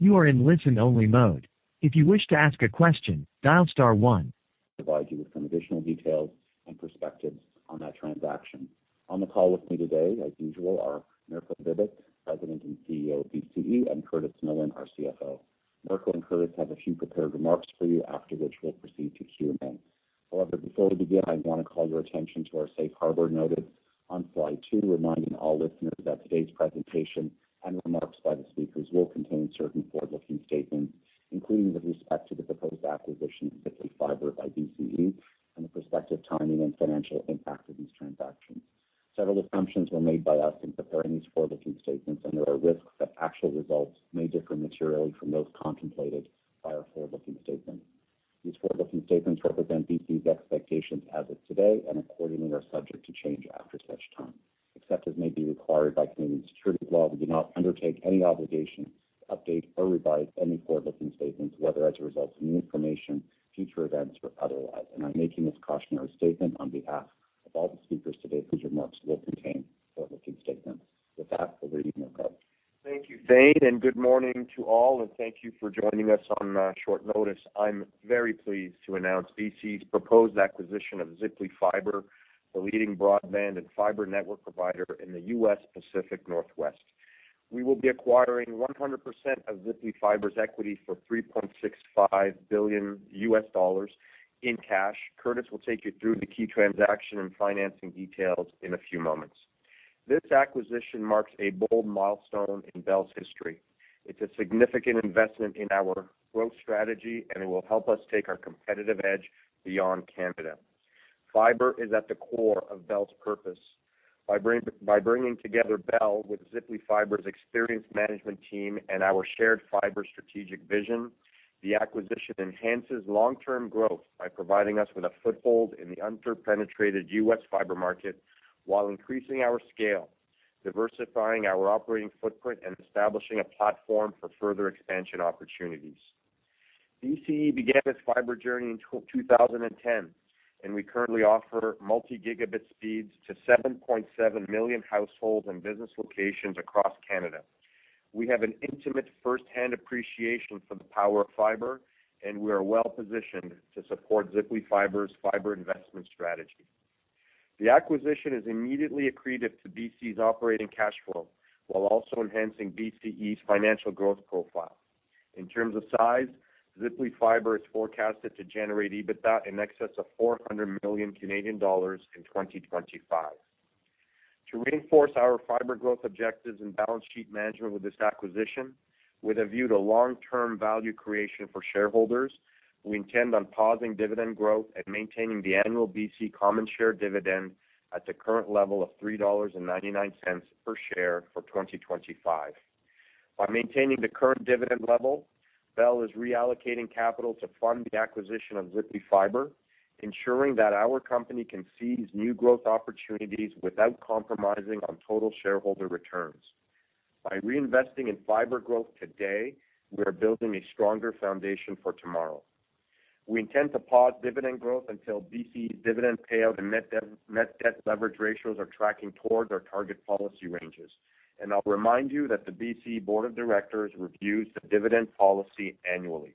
You are in listen-only mode. If you wish to ask a question, dial star one. Provide you with some additional details and perspectives on that transaction. On the call with me today, as usual, are Mirko Bibic, President and CEO of BCE, and Curtis Millen, our CFO. Mirko and Curtis have a few prepared remarks for you, after which we'll proceed to Q&A. However, before we begin, I want to call your attention to our safe harbor notice on slide two, reminding all listeners that today's presentation and remarks by the speakers will contain certain forward-looking statements, including with respect to the proposed acquisition of Ziply Fiber by BCE and the prospective timing and financial impact of these transactions. Several assumptions were made by us in preparing these forward-looking statements, and there are risks that actual results may differ materially from those contemplated by our forward-looking statements. These forward-looking statements represent BCE's expectations as of today and, accordingly, are subject to change after such time. Except as may be required by Canadian securities law, we do not undertake any obligation to update or revise any forward-looking statements, whether as a result of new information, future events, or otherwise. And I'm making this cautionary statement on behalf of all the speakers today whose remarks will contain forward-looking statements. With that, we'll leave you, Mirko. Thank you, Thane, and good morning to all, and thank you for joining us on short notice. I'm very pleased to announce BCE's proposed acquisition of Ziply Fiber, the leading broadband and fiber network provider in the U.S. Pacific Northwest. We will be acquiring 100% of Ziply Fiber's equity for $3.65 billion in cash. Curtis will take you through the key transaction and financing details in a few moments. This acquisition marks a bold milestone in Bell's history. It's a significant investment in our growth strategy, and it will help us take our competitive edge beyond Canada. Fiber is at the core of Bell's purpose. By bringing together Bell with Ziply Fiber's experienced management team and our shared fiber strategic vision, the acquisition enhances long-term growth by providing us with a foothold in the under-penetrated U.S. fiber market while increasing our scale, diversifying our operating footprint, and establishing a platform for further expansion opportunities. BCE began its fiber journey in 2010, and we currently offer multi-gigabit speeds to 7.7 million households and business locations across Canada. We have an intimate first-hand appreciation for the power of fiber, and we are well-positioned to support Ziply Fiber's fiber investment strategy. The acquisition is immediately accretive to BCE's operating cash flow while also enhancing BCE's financial growth profile. In terms of size, Ziply Fiber is forecasted to generate EBITDA in excess of 400 million Canadian dollars in 2025. To reinforce our fiber growth objectives and balance sheet management with this acquisition, with a view to long-term value creation for shareholders, we intend on pausing dividend growth and maintaining the annual BCE common share dividend at the current level of 3.99 dollars per share for 2025. By maintaining the current dividend level, Bell is reallocating capital to fund the acquisition of Ziply Fiber, ensuring that our company can seize new growth opportunities without compromising on total shareholder returns. By reinvesting in fiber growth today, we are building a stronger foundation for tomorrow. We intend to pause dividend growth until BCE's dividend payout and net debt leverage ratios are tracking towards our target policy ranges. I'll remind you that the BCE Board of Directors reviews the dividend policy annually.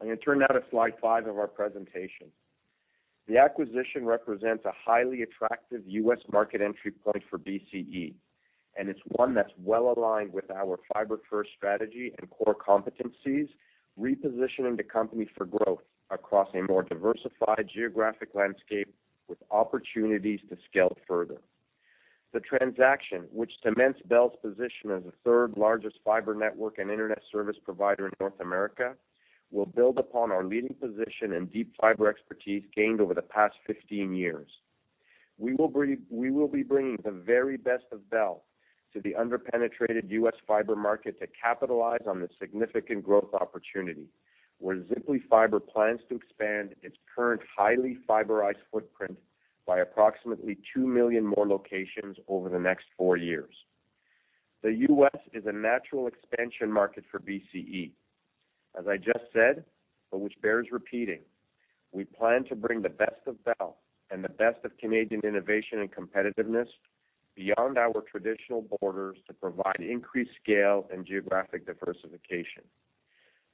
I'm going to turn now to slide five of our presentation. The acquisition represents a highly attractive U.S. market entry point for BCE, and it's one that's well-aligned with our fiber-first strategy and core competencies, repositioning the company for growth across a more diversified geographic landscape with opportunities to scale further. The transaction, which cements Bell's position as the third-largest fiber network and internet service provider in North America, will build upon our leading position and deep fiber expertise gained over the past 15 years. We will be bringing the very best of Bell to the under-penetrated U.S. fiber market to capitalize on this significant growth opportunity, where Ziply Fiber plans to expand its current highly fiberized footprint by approximately two million more locations over the next four years. The U.S. is a natural expansion market for BCE, as I just said, but which bears repeating. We plan to bring the best of Bell and the best of Canadian innovation and competitiveness beyond our traditional borders to provide increased scale and geographic diversification.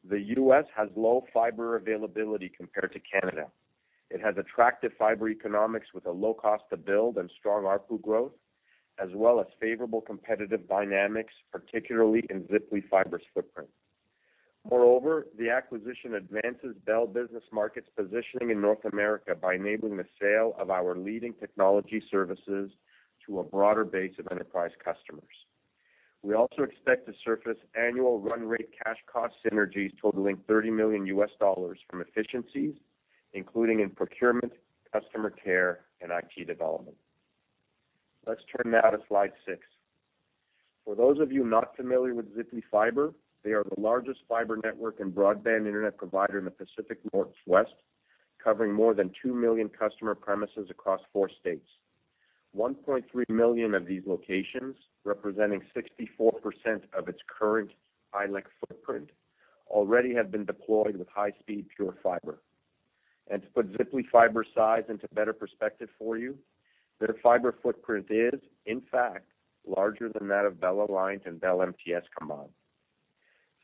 The U.S. has low fiber availability compared to Canada. It has attractive fiber economics with a low cost to build and strong ARPU growth, as well as favorable competitive dynamics, particularly in Ziply Fiber's footprint. Moreover, the acquisition advances Bell Business Markets' positioning in North America by enabling the sale of our leading technology services to a broader base of enterprise customers. We also expect to surface annual run-rate cash cost synergies totaling $30 million from efficiencies, including in procurement, customer care, and IT development. Let's turn now to slide six. For those of you not familiar with Ziply Fiber, they are the largest fiber network and broadband internet provider in the Pacific Northwest, covering more than two million customer premises across four states. 1.3 million of these locations, representing 64% of its current ILEC footprint, already have been deployed with high-speed pure fiber. To put Ziply Fiber's size into better perspective for you, their fiber footprint is, in fact, larger than that of Bell Aliant and Bell MTS combined.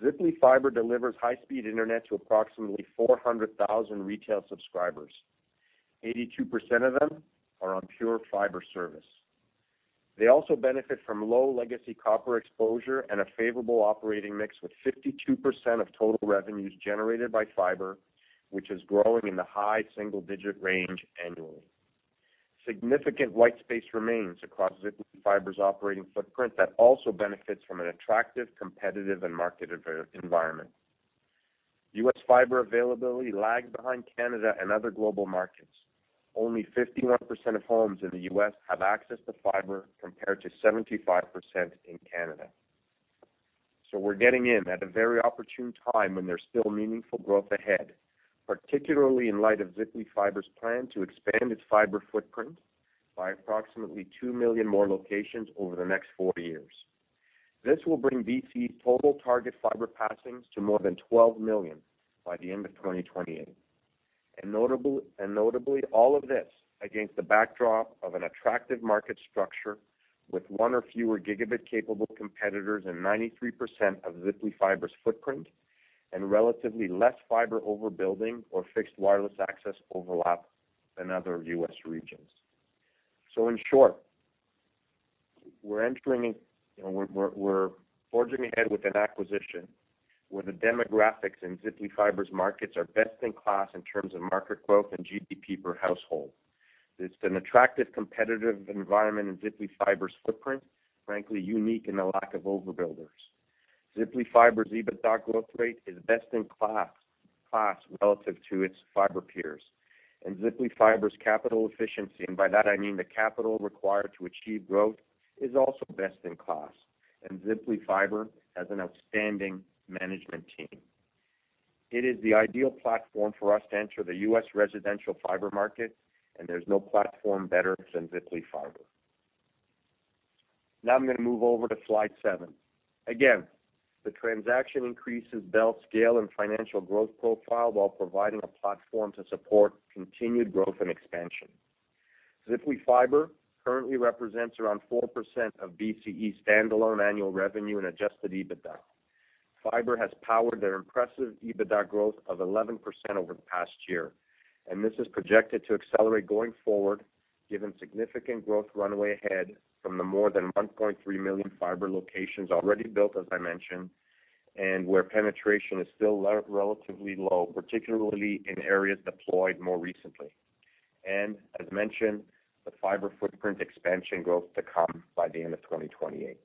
Ziply Fiber delivers high-speed internet to approximately 400,000 retail subscribers. 82% of them are on pure fiber service. They also benefit from low legacy copper exposure and a favorable operating mix with 52% of total revenues generated by fiber, which is growing in the high single-digit range annually. Significant white space remains across Ziply Fiber's operating footprint that also benefits from an attractive, competitive, and marketed environment. U.S. fiber availability lags behind Canada and other global markets. Only 51% of homes in the U.S. have access to fiber compared to 75% in Canada. So we're getting in at a very opportune time when there's still meaningful growth ahead, particularly in light of Ziply Fiber's plan to expand its fiber footprint by approximately two million more locations over the next four years. This will bring BCE's total target fiber passings to more than 12 million by the end of 2028. And notably, all of this against the backdrop of an attractive market structure with one or fewer gigabit-capable competitors and 93% of Ziply Fiber's footprint and relatively less fiber overbuilding or fixed wireless access overlap than other U.S. regions. So in short, we're forging ahead with an acquisition where the demographics in Ziply Fiber's markets are best in class in terms of market growth and GDP per household. It's an attractive, competitive environment in Ziply Fiber's footprint, frankly unique in the lack of overbuilders. Ziply Fiber's EBITDA growth rate is best in class relative to its fiber peers. And Ziply Fiber's capital efficiency, and by that I mean the capital required to achieve growth, is also best in class. And Ziply Fiber has an outstanding management team. It is the ideal platform for us to enter the U.S. residential fiber market, and there's no platform better than Ziply Fiber. Now I'm going to move over to slide seven. Again, the transaction increases Bell's scale and financial growth profile while providing a platform to support continued growth and expansion. Ziply Fiber currently represents around 4% of BCE's standalone annual revenue and Adjusted EBITDA. Fiber has powered their impressive EBITDA growth of 11% over the past year, and this is projected to accelerate going forward, given significant growth runway ahead from the more than 1.3 million fiber locations already built, as I mentioned, and where penetration is still relatively low, particularly in areas deployed more recently, and as mentioned, the fiber footprint expansion growth to come by the end of 2028.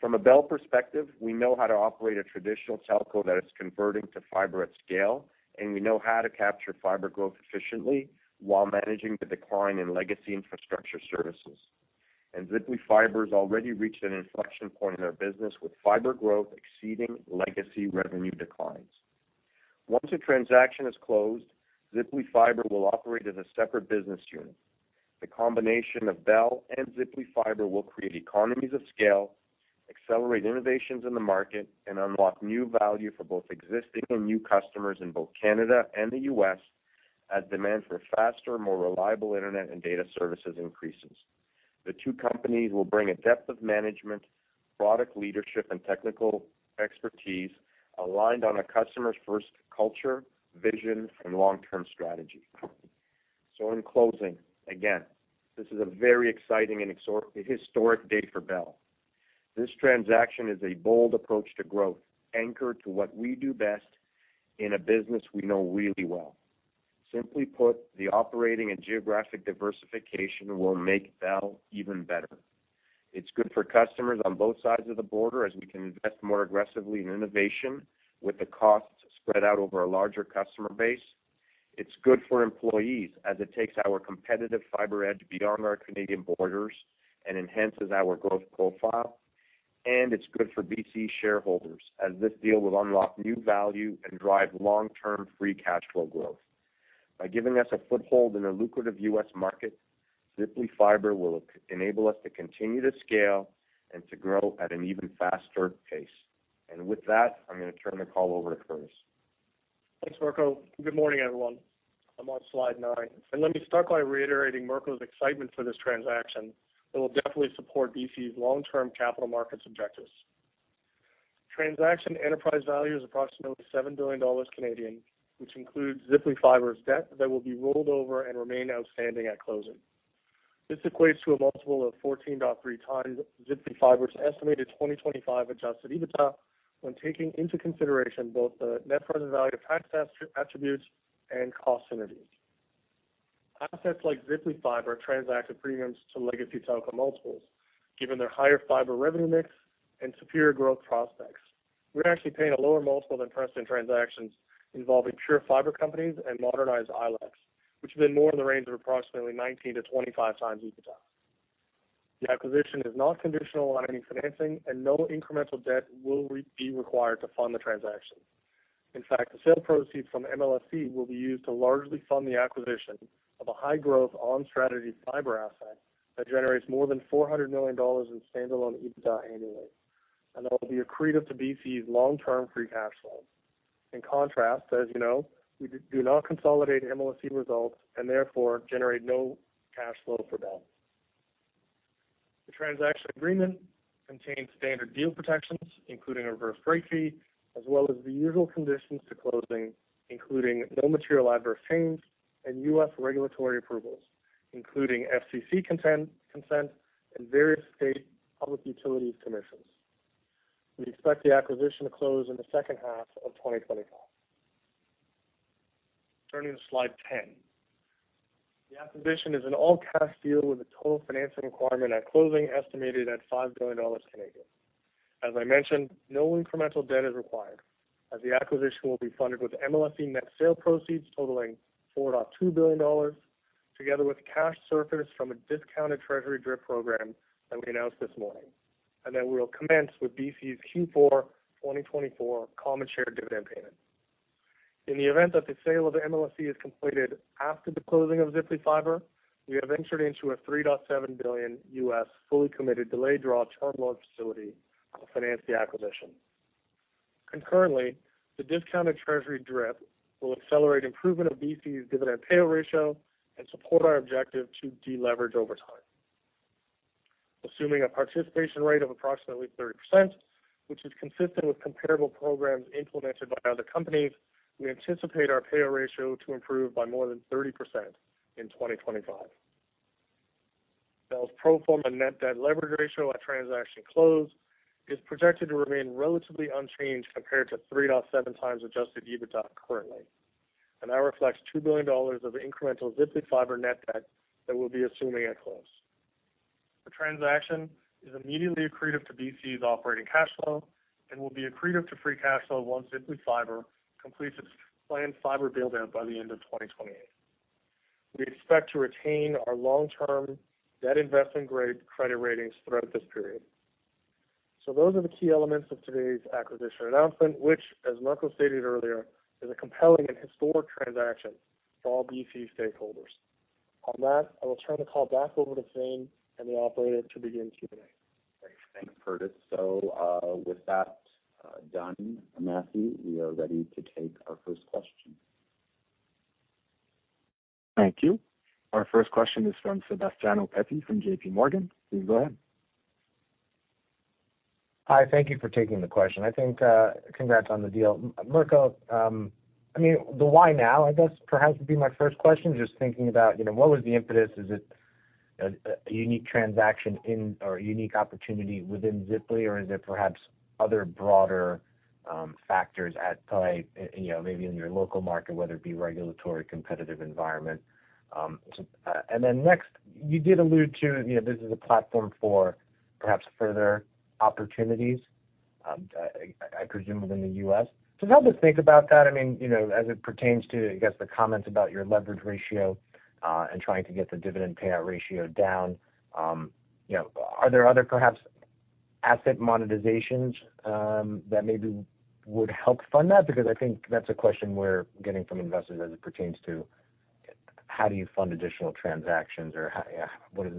From a Bell perspective, we know how to operate a traditional telco that is converting to fiber at scale, and we know how to capture fiber growth efficiently while managing the decline in legacy infrastructure services, and Ziply Fiber has already reached an inflection point in their business with fiber growth exceeding legacy revenue declines. Once a transaction is closed, Ziply Fiber will operate as a separate business unit. The combination of Bell and Ziply Fiber will create economies of scale, accelerate innovations in the market, and unlock new value for both existing and new customers in both Canada and the U.S. as demand for faster, more reliable internet and data services increases. The two companies will bring a depth of management, product leadership, and technical expertise aligned on a customer-first culture, vision, and long-term strategy. So in closing, again, this is a very exciting and historic day for Bell. This transaction is a bold approach to growth, anchored to what we do best in a business we know really well. Simply put, the operating and geographic diversification will make Bell even better. It's good for customers on both sides of the border as we can invest more aggressively in innovation with the costs spread out over a larger customer base. It's good for employees as it takes our competitive fiber edge beyond our Canadian borders and enhances our growth profile. And it's good for BCE shareholders as this deal will unlock new value and drive long-term free cash flow growth. By giving us a foothold in a lucrative U.S. market, Ziply Fiber will enable us to continue to scale and to grow at an even faster pace. And with that, I'm going to turn the call over to Curtis. Thanks, Mirko. Good morning, everyone. I'm on slide nine. Let me start by reiterating Mirko's excitement for this transaction that will definitely support BCE's long-term capital markets objectives. The transaction enterprise value is approximately 7 billion Canadian dollars, which includes Ziply Fiber's debt that will be rolled over and remain outstanding at closing. This equates to a multiple of 14.3 times Ziply Fiber's estimated 2025 Adjusted EBITDA when taking into consideration both the net present value of tax attributes and cost synergies. Assets like Ziply Fiber transact at premiums to legacy telco multiples, given their higher fiber revenue mix and superior growth prospects. We're actually paying a lower multiple than recent transactions involving pure fiber companies and modernized ILECs, which have been more in the range of approximately 19-25 times EBITDA. The acquisition is not conditional on any financing, and no incremental debt will be required to fund the transaction. In fact, the sale proceeds from MLSE will be used to largely fund the acquisition of a high-growth on-strategy fiber asset that generates more than $400 million in standalone EBITDA annually, and that will be accretive to BCE's long-term free cash flow. In contrast, as you know, we do not consolidate MLSE results and therefore generate no cash flow for Bell. The transaction agreement contains standard deal protections, including a reverse break fee, as well as the usual conditions to closing, including no material adverse change and U.S. regulatory approvals, including FCC consent and various state public utilities commissions. We expect the acquisition to close in the second half of 2025. Turning to slide ten, the acquisition is an all-cash deal with a total financing requirement at closing estimated at 5 billion Canadian dollars. As I mentioned, no incremental debt is required, as the acquisition will be funded with MLSE net sale proceeds totaling 4.2 billion dollars, together with cash surplus from a discounted treasury DRIP program that we announced this morning, and then we will commence with BCE's Q4 2024 common share dividend payment. In the event that the sale of MLSE is completed after the closing of Ziply Fiber, we have entered into a $3.7 billion U.S. fully committed delayed draw term loan facility to finance the acquisition. Concurrently, the discounted treasury DRIP will accelerate improvement of BCE's dividend payout ratio and support our objective to deleverage over time. Assuming a participation rate of approximately 30%, which is consistent with comparable programs implemented by other companies, we anticipate our payout ratio to improve by more than 30% in 2025. Bell's pro forma net debt leverage ratio at transaction close is projected to remain relatively unchanged compared to 3.7 times Adjusted EBITDA currently, and that reflects 2 billion dollars of incremental Ziply Fiber net debt that we'll be assuming at close. The transaction is immediately accretive to BCE's operating cash flow and will be accretive to free cash flow once Ziply Fiber completes its planned fiber build-out by the end of 2028. We expect to retain our long-term debt investment grade credit ratings throughout this period. So those are the key elements of today's acquisition announcement, which, as Mirko stated earlier, is a compelling and historic transaction for all BCE stakeholders. On that, I will turn the call back over to Thane and the operator to begin Q&A. Thanks, Curtis. So with that done, Matthew, we are ready to take our first question. Thank you. Our first question is from Sebastiano Petti from JPMorgan. Please go ahead. Hi. Thank you for taking the question. I think congrats on the deal. Mirko, I mean, the why now, I guess, perhaps would be my first question, just thinking about, you know, what was the impetus? Is it a unique transaction in or a unique opportunity within Ziply, or is it perhaps other broader factors at play, you know, maybe in your local market, whether it be regulatory competitive environment? And then next, you did allude to, you know, this is a platform for perhaps further opportunities, I presume, within the U.S. Just help us think about that. I mean, you know, as it pertains to, I guess, the comments about your leverage ratio and trying to get the dividend payout ratio down, you know, are there other perhaps asset monetizations that maybe would help fund that? Because I think that's a question we're getting from investors as it pertains to how do you fund additional transactions or what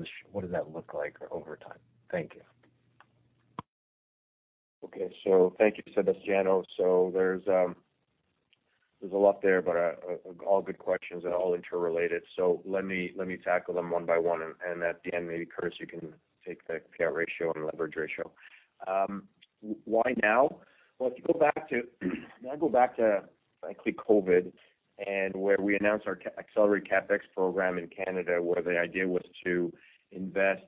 does that look like over time? Thank you. Okay. So thank you, Sebastiano. So there's a lot there, but all good questions and all interrelated. So let me tackle them one by one. And at the end, maybe Curtis, you can take the payout ratio and leverage ratio. Why now? Well, if you go back to, I go back to actually COVID and where we announced our accelerated CapEx program in Canada, where the idea was to invest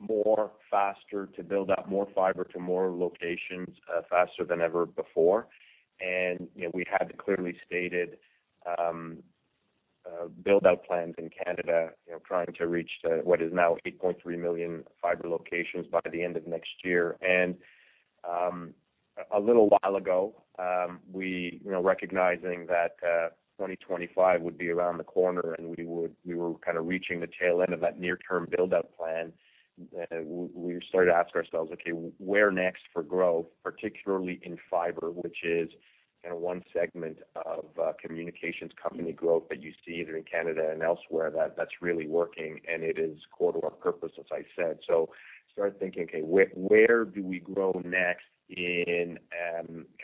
more, faster, to build out more fiber to more locations faster than ever before. And, you know, we had clearly stated build-out plans in Canada, you know, trying to reach what is now 8.3 million fiber locations by the end of next year. A little while ago, we, you know, recognizing that 2025 would be around the corner and we were kind of reaching the tail end of that near-term build-out plan, we started to ask ourselves, okay, where next for growth, particularly in fiber, which is kind of one segment of communications company growth that you see either in Canada and elsewhere that's really working and it is core to our purpose, as I said. Started thinking, okay, where do we grow next in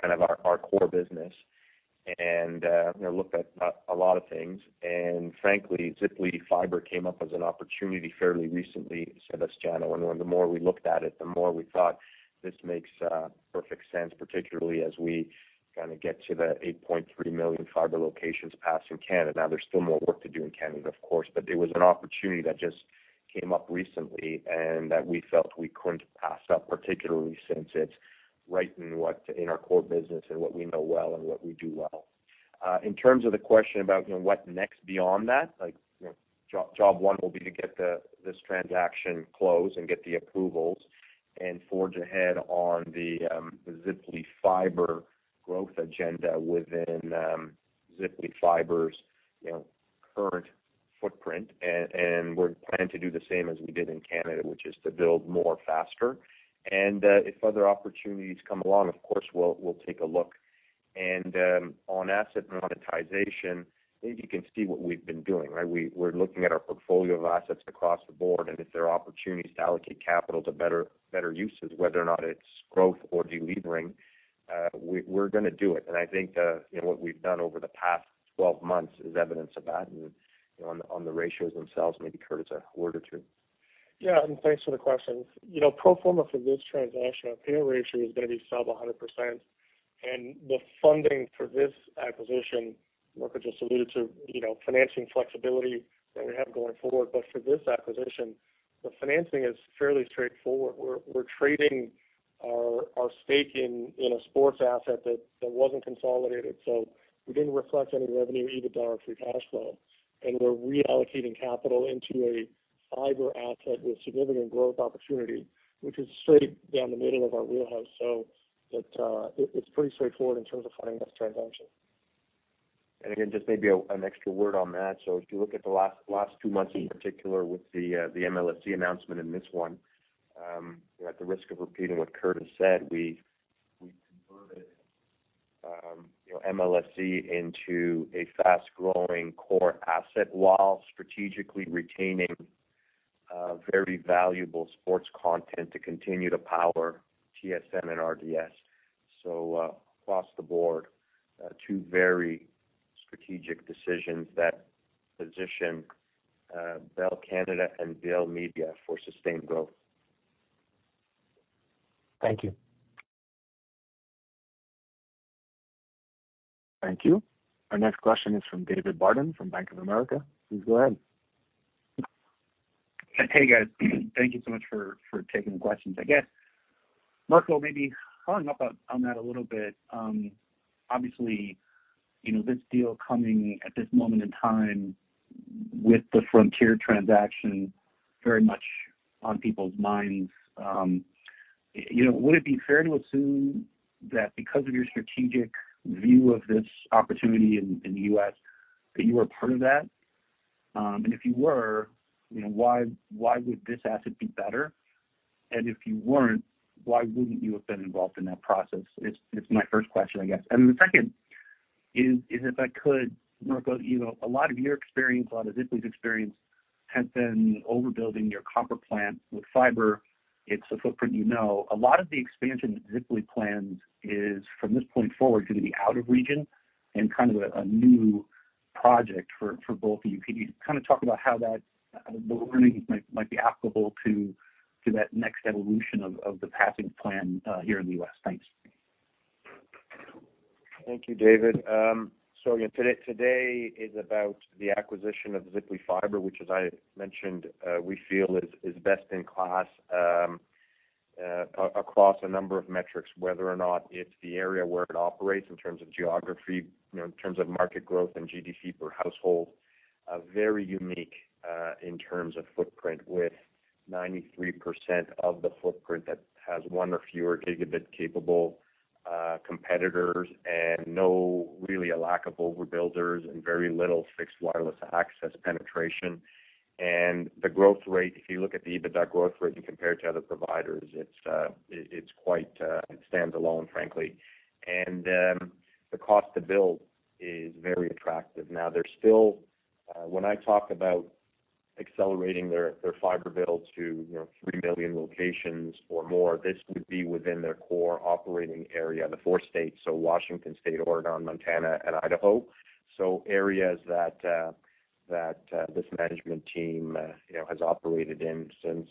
kind of our core business and looked at a lot of things. Frankly, Ziply Fiber came up as an opportunity fairly recently, Sebastiano. The more we looked at it, the more we thought this makes perfect sense, particularly as we kind of get to the 8.3 million fiber locations pass in Canada. Now, there's still more work to do in Canada, of course, but it was an opportunity that just came up recently and that we felt we couldn't pass up, particularly since it's right in what in our core business and what we know well and what we do well. In terms of the question about, you know, what next beyond that, like job one will be to get this transaction closed and get the approvals and forge ahead on the Ziply Fiber growth agenda within Ziply Fiber's, you know, current footprint, and we're planning to do the same as we did in Canada, which is to build more, faster, and if other opportunities come along, of course, we'll take a look, and on asset monetization, I think you can see what we've been doing, right? We're looking at our portfolio of assets across the board, and if there are opportunities to allocate capital to better uses, whether or not it's growth or delivering, we're going to do it. And I think what we've done over the past 12 months is evidence of that. And on the ratios themselves, maybe Curtis, a word or two. Yeah, and thanks for the question. You know, pro forma for this transaction, our payout ratio is going to be sub 100%, and the funding for this acquisition, Mirko just alluded to, you know, financing flexibility that we have going forward, but for this acquisition, the financing is fairly straightforward. We're trading our stake in a sports asset that wasn't consolidated, so we didn't reflect any revenue EBITDA or free cash flow, and we're reallocating capital into a fiber asset with significant growth opportunity, which is straight down the middle of our wheelhouse, so it's pretty straightforward in terms of funding this transaction. Again, just maybe an extra word on that. If you look at the last two months in particular with the MLSE announcement and this one, you know, at the risk of repeating what Curtis said, we converted, you know, MLSE into a fast-growing core asset while strategically retaining very valuable sports content to continue to power TSN and RDS. Across the board, two very strategic decisions that position Bell Canada and Bell Media for sustained growth. Thank you. Thank you. Our next question is from David Barden from Bank of America. Please go ahead. Hey, guys. Thank you so much for taking the questions. I guess, Mirko, maybe hung up on that a little bit. Obviously, you know, this deal coming at this moment in time with the Frontier transaction very much on people's minds. You know, would it be fair to assume that because of your strategic view of this opportunity in the U.S. that you were part of that? And if you were, you know, why would this asset be better? And if you weren't, why wouldn't you have been involved in that process? It's my first question, I guess. And then the second is, if I could, Mirko, you know, a lot of your experience, a lot of Ziply's experience has been overbuilding your copper plant with fiber. It's a footprint you know. A lot of the expansion that Ziply plans is from this point forward going to be out of region and kind of a new project for both of you. Can you kind of talk about how that, the learning might be applicable to that next evolution of the passing plan here in the U.S.? Thanks. Thank you, David. So again, today is about the acquisition of Ziply Fiber, which, as I mentioned, we feel is best in class across a number of metrics, whether or not it's the area where it operates in terms of geography, you know, in terms of market growth and GDP per household, very unique in terms of footprint with 93% of the footprint that has one or fewer gigabit-capable competitors and no really a lack of overbuilders and very little fixed wireless access penetration. And the growth rate, if you look at the EBITDA growth rate and compare it to other providers, it's quite standalone, frankly. And the cost to build is very attractive. Now, there's still, when I talk about accelerating their fiber build to, you know, three million locations or more, this would be within their core operating area, the four states, so Washington State, Oregon, Montana, and Idaho. So areas that this management team, you know, has operated in since,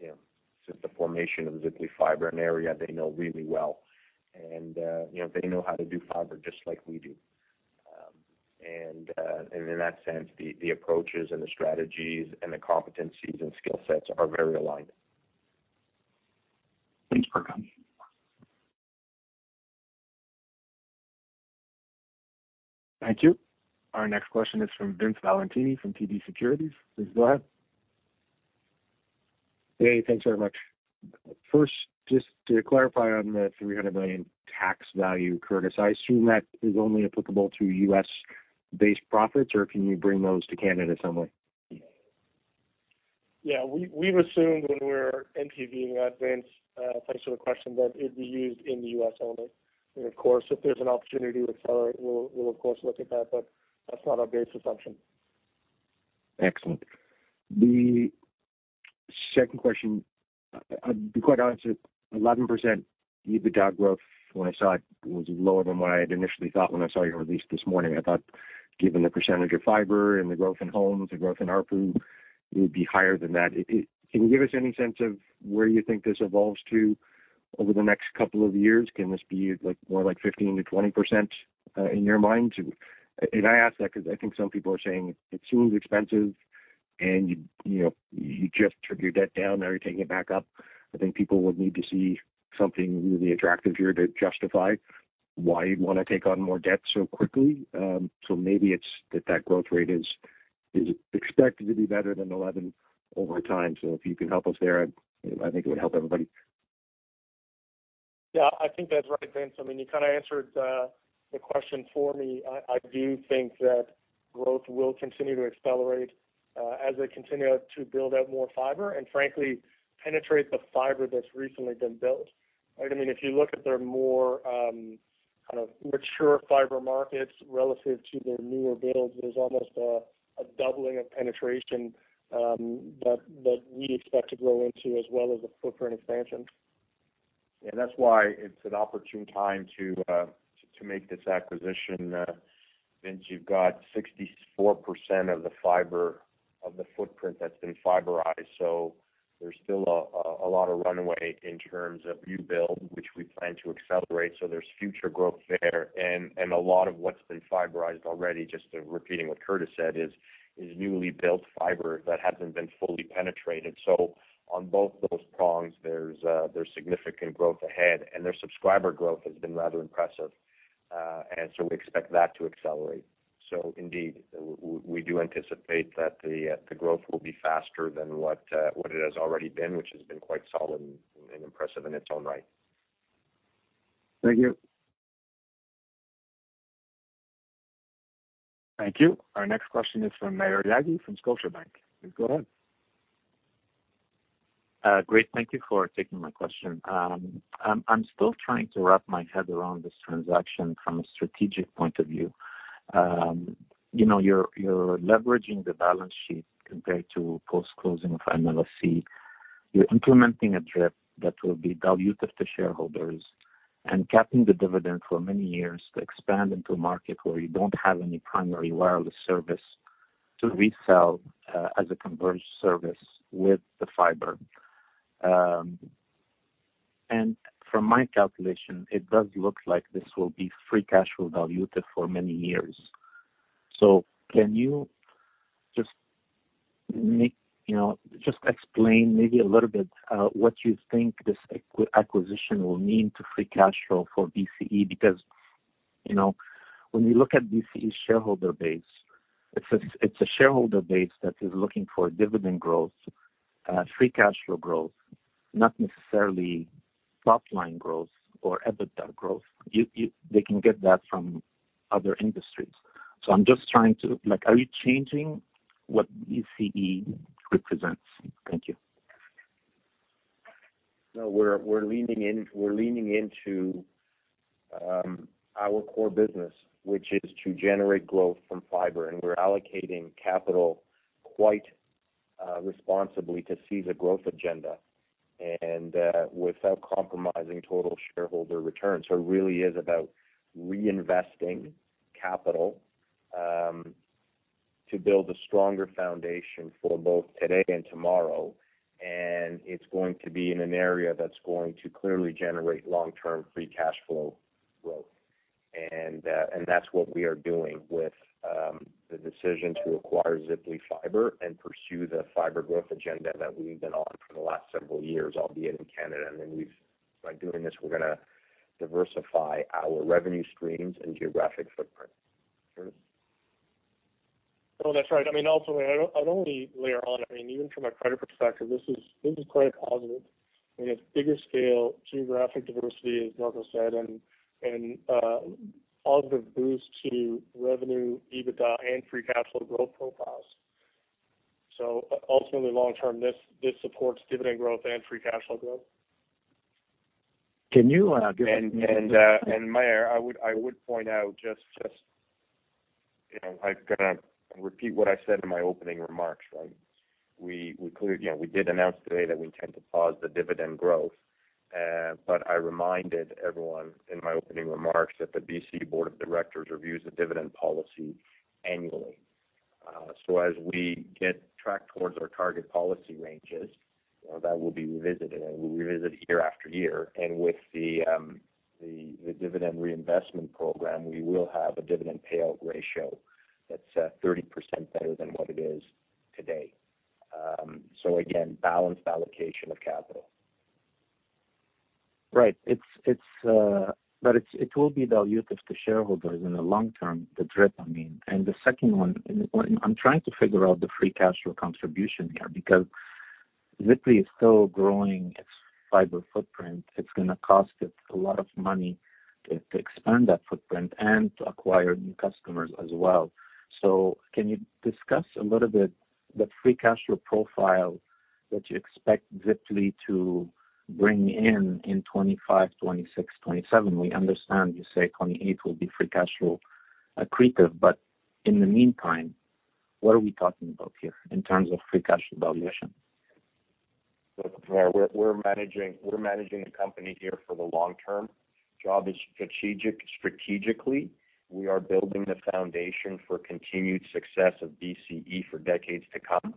you know, since the formation of Ziply Fiber, an area they know really well. And, you know, they know how to do fiber just like we do. And in that sense, the approaches and the strategies and the competencies and skill sets are very aligned. Thanks, Mirko. Thank you. Our next question is from Vince Valentini from TD Securities. Please go ahead. Hey, thanks very much. First, just to clarify on the $300 million tax value, Curtis, I assume that is only applicable to U.S.-based profits, or can you bring those to Canada someway? Yeah. We've assumed when we're NPVing that Vince placed the question that it'd be used in the U.S. only. And of course, if there's an opportunity to accelerate, we'll, of course, look at that, but that's not our base assumption. Excellent. The second question, I'll be quite honest, 11% EBITDA growth when I saw it was lower than what I had initially thought when I saw your release this morning. I thought given the percentage of fiber and the growth in homes, the growth in ARPU, it would be higher than that. Can you give us any sense of where you think this evolves to over the next couple of years? Can this be like more like 15%-20% in your mind? And I ask that because I think some people are saying it seems expensive and you just took your debt down, now you're taking it back up. I think people would need to see something really attractive here to justify why you'd want to take on more debt so quickly. So maybe it's that that growth rate is expected to be better than 11% over time. So if you can help us there, I think it would help everybody. Yeah. I think that's right, Vince. I mean, you kind of answered the question for me. I do think that growth will continue to accelerate as they continue to build out more fiber and, frankly, penetrate the fiber that's recently been built. I mean, if you look at their more kind of mature fiber markets relative to their newer builds, there's almost a doubling of penetration that we expect to grow into as well as the footprint expansion. Yeah. That's why it's an opportune time to make this acquisition. Vince, you've got 64% of the footprint that's been fiberized. So there's still a lot of runway in terms of new build, which we plan to accelerate. So there's future growth there. And a lot of what's been fiberized already, just repeating what Curtis said, is newly built fiber that hasn't been fully penetrated. So on both those prongs, there's significant growth ahead. And their subscriber growth has been rather impressive. And so we expect that to accelerate. So indeed, we do anticipate that the growth will be faster than what it has already been, which has been quite solid and impressive in its own right. Thank you. Thank you. Our next question is from Maher Yaghi from Scotiabank. Please go ahead. Great. Thank you for taking my question. I'm still trying to wrap my head around this transaction from a strategic point of view. You know, you're leveraging the balance sheet compared to post-closing of MLSE. You're implementing a DRIP that will be dilutive to shareholders and capping the dividend for many years to expand into a market where you don't have any primary wireless service to resell as a converged service with the fiber. And from my calculation, it does look like this will be free cash flow dilutive for many years. So can you just make, you know, just explain maybe a little bit what you think this acquisition will mean to free cash flow for BCE? Because, you know, when you look at BCE's shareholder base, it's a shareholder base that is looking for dividend growth, free cash flow growth, not necessarily top-line growth or EBITDA growth. They can get that from other industries. So I'm just trying to, like, are you changing what BCE represents? Thank you. No, we're leaning into our core business, which is to generate growth from fiber, and we're allocating capital quite responsibly to seize a growth agenda and without compromising total shareholder returns, so it really is about reinvesting capital to build a stronger foundation for both today and tomorrow, and it's going to be in an area that's going to clearly generate long-term free cash flow growth, and that's what we are doing with the decision to acquire Ziply Fiber and pursue the fiber growth agenda that we've been on for the last several years, albeit in Canada, and then by doing this, we're going to diversify our revenue streams and geographic footprint. That's right. I mean, ultimately, I'd only layer on. I mean, even from a credit perspective, this is quite a positive. I mean, it's bigger scale, geographic diversity, as Mirko said, and positive boost to revenue, EBITDA, and free cash flow growth profiles, so ultimately, long term, this supports dividend growth and free cash flow growth. Can you? Maher, I would point out just, you know, I've got to repeat what I said in my opening remarks, right? We clearly, you know, we did announce today that we intend to pause the dividend growth. But I reminded everyone in my opening remarks that the BCE Board of Directors reviews the dividend policy annually. So as we get back towards our target policy ranges, that will be revisited, and we'll revisit year after year. And with the dividend reinvestment program, we will have a dividend payout ratio that's 30% better than what it is today. So again, balanced allocation of capital. Right. But it will be dilutive to shareholders in the long term, the DRIP, I mean, and the second one, I'm trying to figure out the free cash flow contribution here because Ziply is still growing its fiber footprint. It's going to cost it a lot of money to expand that footprint and to acquire new customers as well, so can you discuss a little bit the free cash flow profile that you expect Ziply to bring in in 2025, 2026, 2027? We understand you say 2028 will be free cash flow accretive, but in the meantime, what are we talking about here in terms of free cash flow dilution? Look, Maher, we're managing the company here for the long term. Job is strategic. Strategically, we are building the foundation for continued success of BCE for decades to come.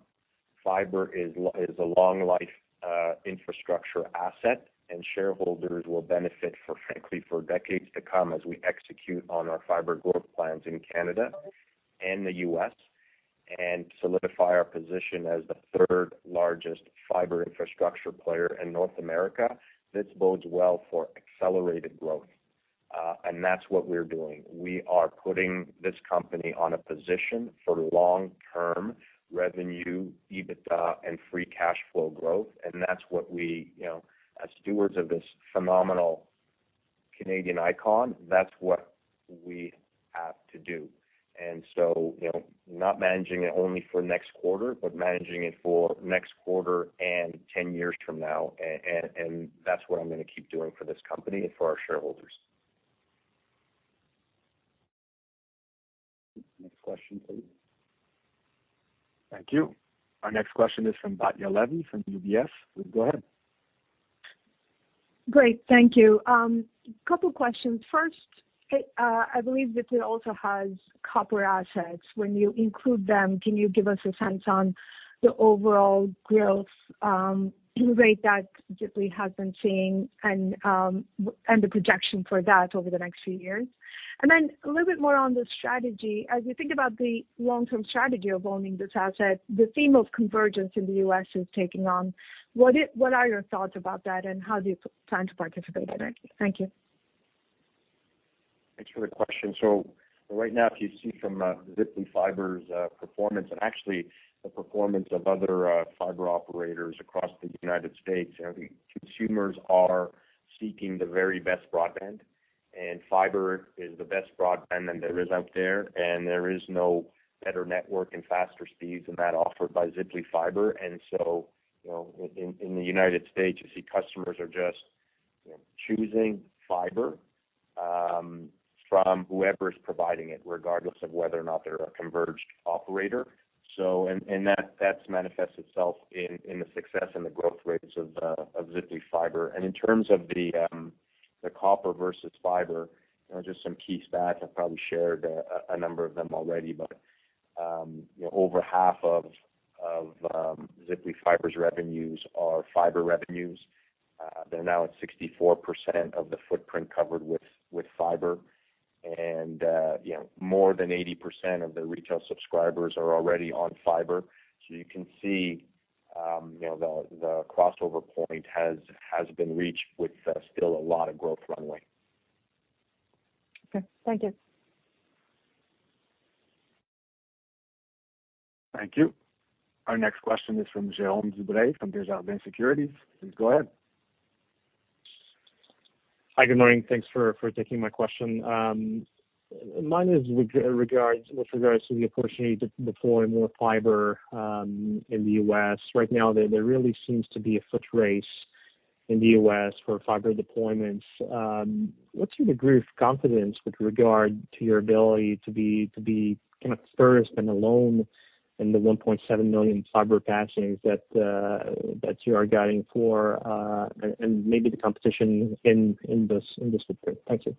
Fiber is a long-life infrastructure asset, and shareholders will benefit for, frankly, for decades to come as we execute on our fiber growth plans in Canada and the U.S. and solidify our position as the third largest fiber infrastructure player in North America. This bodes well for accelerated growth. And that's what we're doing. We are putting this company on a position for long-term revenue, EBITDA, and free cash flow growth. And that's what we, you know, as stewards of this phenomenal Canadian icon, that's what we have to do. And so, you know, not managing it only for next quarter, but managing it for next quarter and 10 years from now. That's what I'm going to keep doing for this company and for our shareholders. Next question, please. Thank you. Our next question is from Batya Levi from UBS. Please go ahead. Great. Thank you. A couple of questions. First, I believe Ziply also has copper assets. When you include them, can you give us a sense on the overall growth rate that Ziply has been seeing and the projection for that over the next few years? And then a little bit more on the strategy. As you think about the long-term strategy of owning this asset, the theme of convergence in the U.S. is taking on. What are your thoughts about that, and how do you plan to participate in it? Thank you. Thanks for the question. So right now, if you see from Ziply Fiber's performance and actually the performance of other fiber operators across the United States, consumers are seeking the very best broadband. And fiber is the best broadband that there is out there. And there is no better network and faster speeds than that offered by Ziply Fiber. And so, you know, in the United States, you see customers are just, you know, choosing fiber from whoever is providing it, regardless of whether or not they're a converged operator. So, and that's manifested itself in the success and the growth rates of Ziply Fiber. And in terms of the copper versus fiber, you know, just some key stats. I've probably shared a number of them already, but, you know, over half of Ziply Fiber's revenues are fiber revenues. They're now at 64% of the footprint covered with fiber. You know, more than 80% of their retail subscribers are already on fiber. You can see, you know, the crossover point has been reached with still a lot of growth runway. Okay. Thank you. Thank you. Our next question is from Jérôme Dubreuil from Desjardins Securities. Please go ahead. Hi, good morning. Thanks for taking my question. Mine is with regards to the opportunity to deploy more fiber in the U.S. Right now, there really seems to be a footrace in the U.S. for fiber deployments. What's your degree of confidence with regard to your ability to be kind of first and alone in the 1.7 million fiber passings that you are guiding for and maybe the competition in this footprint? Thank you.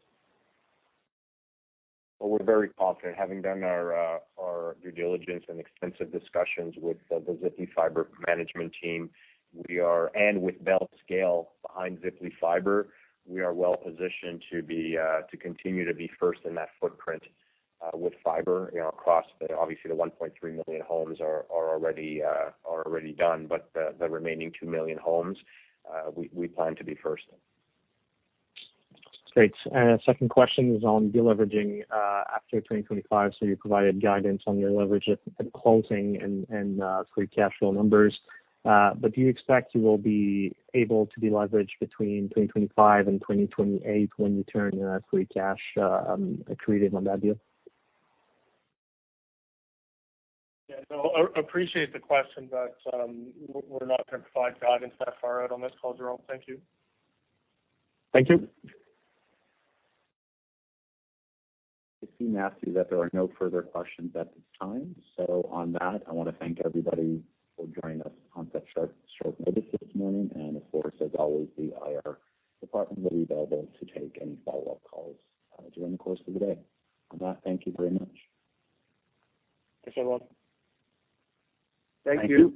We're very confident. Having done our due diligence and extensive discussions with the Ziply Fiber management team, we are, and with BellScale behind Ziply Fiber, we are well positioned to continue to be first in that footprint with fiber. You know, across, obviously, the 1.3 million homes are already done, but the remaining two million homes, we plan to be first. Great. And the second question is on deleveraging after 2025. So you provided guidance on your leverage at closing and free cash flow numbers. But do you expect you will be able to deleverage between 2025 and 2028 when you turn free cash accretive on that deal? Yeah. No, I appreciate the question, but we're not going to provide guidance that far out on this, Jérôme. Thank you. Thank you. Seeing no further questions at this time. So on that, I want to thank everybody for joining us on such short notice this morning. And, of course, as always, the IR department will be available to take any follow-up calls during the course of the day. On that, thank you very much. Thank you. Thank you.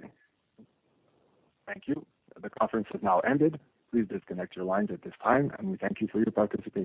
Thank you. The conference has now ended. Please disconnect your lines at this time, and we thank you for your participation.